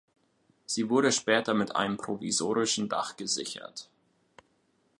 Sie wurde später mit einem provisorischen Dach gesichert.